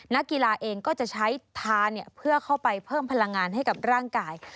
นักกีฬาเองก็จะใช้ทานเพื่อเข้าไปเพิ่มพลังงานให้กับร่างกาย